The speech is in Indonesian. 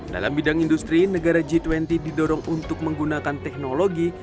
dalam bidang industri negara g dua puluh didorong untuk menggunakan teknologi